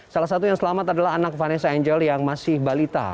salah satu yang selamat adalah anak vanessa angel yang masih balita